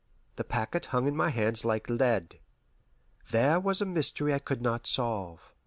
The packet hung in my hands like lead. There was a mystery I could not solve.